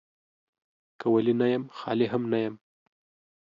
که ولي نه يم ، خالي هم نه يم.